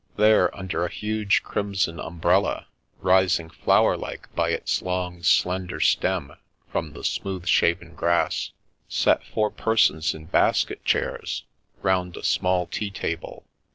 There, under a huge crimson umbrella, rising flowerlike by its long slen der stem from the smooth shaven grass, sat four persons in basket chairs, round a small tea table.